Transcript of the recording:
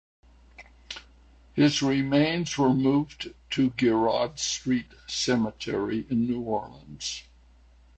His remains were moved to Girod Street Cemetery in New Orleans.